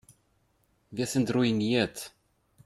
Wir sind ruiniert.